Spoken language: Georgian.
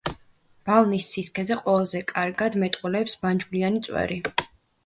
ბალნის სისქეზე ყველაზე კარგად მეტყველებს ბანჯგვლიანი წვერი.